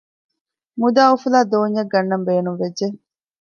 މުދާ އުފުލާ ދޯންޏެއް ގަންނަން ބޭނުންވެއްޖެ